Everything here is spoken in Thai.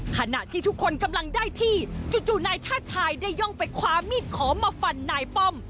ขณะที่ทุกคนกำลังได้ที่จู่นายชาติชายได้ย่องไปคว้ามีดขอมาฟันนายป้อม